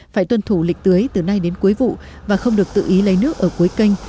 phải tuân thủ lịch tưới từ nay đến cuối vụ và không được tự ý lấy nước ở cuối kênh